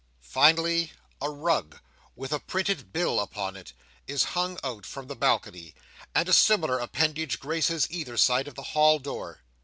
Finally, a rug, with a printed bill upon it, is hung out from the balcony; and a similar appendage graces either side of the hall door.